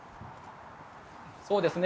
そうですね。